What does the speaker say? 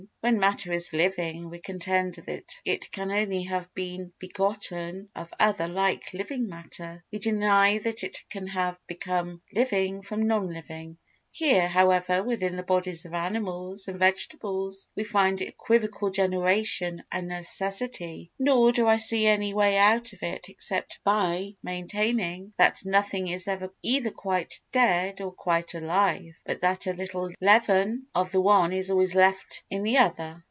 When matter is living we contend that it can only have been begotten of other like living matter; we deny that it can have become living from non living. Here, however, within the bodies of animals and vegetables we find equivocal generation a necessity; nor do I see any way out of it except by maintaining that nothing is ever either quite dead or quite alive, but that a little leaven of the one is always left in the other.